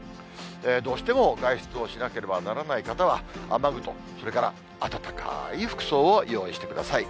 どうしても外出をしなければならない方は、雨具とそれから暖かい服装を用意してください。